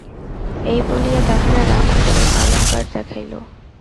এই বলিয়া তাহারা রামকে সেই অলঙ্কার দেখাইল।